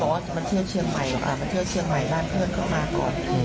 ก็เลยบอกว่ามาเทือนเชียงใหม่มาเทือนเชียงใหม่ลาดเพื่อนเข้ามาก่อน